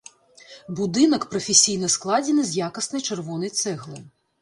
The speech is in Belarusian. Будынак прафесійна складзены з якаснай чырвонай цэглы.